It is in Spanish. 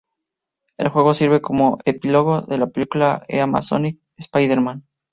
El juego sirve como epílogo de la película "The Amazing Spider-Man".